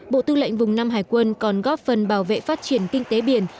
bộ tư lệnh vùng năm hải quân còn góp phần bảo vệ phát triển kinh tế biển